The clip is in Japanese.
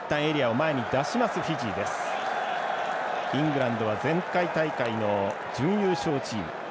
イングランドは前回大会の準優勝チーム。